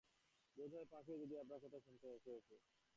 বোধ হয় পাখিও যদি আপনার কথা শুনত, হেসে উঠত।